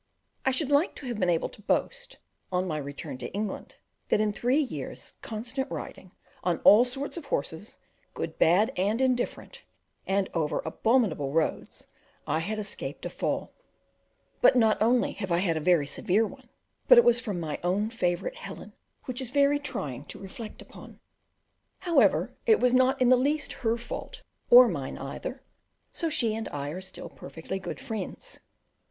I should like to have been able to boast, on my return to England, that in three years' constant riding, on all sorts of horses, good, bad, and indifferent, and over abominable roads, I had escaped a fall; but not only have I had a very severe one, but it was from my own favourite Helen, which is very trying to reflect upon. However, it was not in the least her fault, or mine either; so she and I are still perfectly good friends.